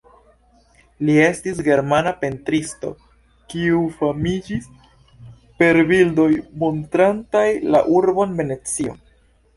Li estis germana pentristo kiu famiĝis per bildoj montrantaj la urbon Venecio.